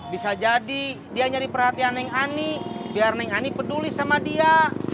bisa jadi dia nyari perhatian yang aneh biar neng ani peduli sama dia